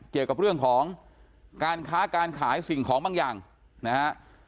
เกี่ยวกับเรื่องของการค้าการขายสิ่งของบางอย่างนะฮะ